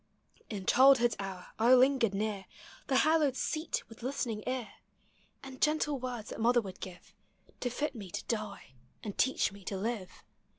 in childhood's hour I lingered near The hallowed seat with listening ear; And gentle words that mother would give To fit me to die, and teach me to live.